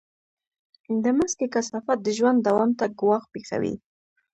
د مځکې کثافات د ژوند دوام ته ګواښ پېښوي.